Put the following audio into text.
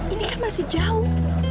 ini kan masih jauh